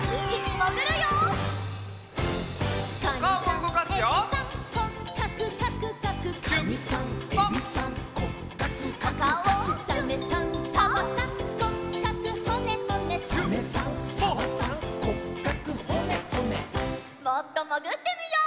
もっともぐってみよう！